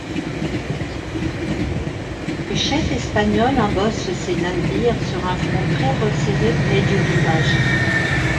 Le chef espagnol embosse ses navires sur un front très resserré près du rivage.